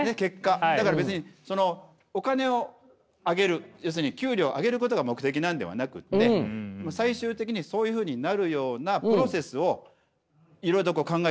だから別にお金をあげる要するに給料を上げることが目的なんではなくて最終的にそういうふうになるようなプロセスをいろいろと考えて作り上げていくことができるんじゃないか。